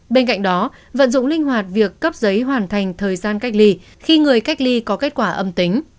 bên cạnh đó vận dụng linh hoạt việc cấp giấy hoàn thành thời gian cách ly khi người cách ly có kết quả âm tính